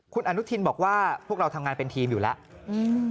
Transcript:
คุณอนุทินบอกว่าพวกเราทำงานเป็นทีมอยู่แล้วอืม